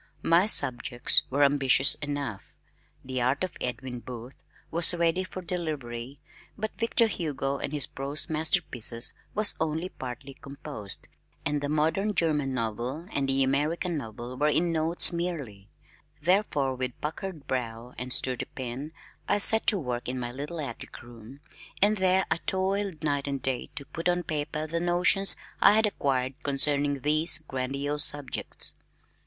My subjects were ambitious enough, "The Art of Edwin Booth," was ready for delivery, but "Victor Hugo and his Prose Masterpieces," was only partly composed and "The Modern German Novel" and "The American Novel" were in notes merely, therefore with puckered brow and sturdy pen I set to work in my little attic room, and there I toiled day and night to put on paper the notions I had acquired concerning these grandiose subjects.